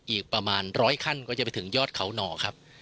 อีกประมาณร้อยขั้นก็จะไปถึงยอดเขาหน่อครับ